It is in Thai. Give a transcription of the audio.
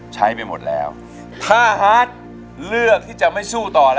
ใช้ไปหมดแล้วถ้าฮาร์ดเลือกที่จะไม่สู้ต่อนะ